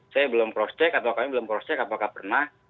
saya belum cross check atau kami belum cross check apakah pernah